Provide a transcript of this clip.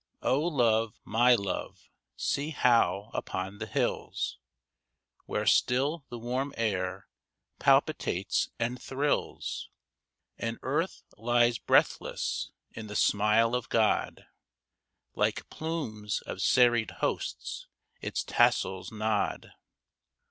O love, my love, see ho7v zipon the hills, Where still the warm air palpitates and thrills^ And earth lies breathless in the smile of God, Like plumes of serried hosts its tassels nod